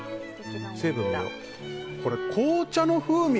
これ、紅茶の風味